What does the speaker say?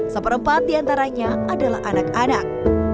seperempat diantaranya adalah anak anak